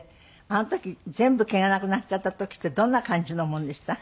あの時全部毛がなくなっちゃった時ってどんな感じのものでした？